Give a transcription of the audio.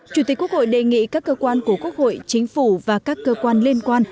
chủ tịch quốc hội đề nghị các cơ quan của quốc hội chính phủ và các cơ quan liên quan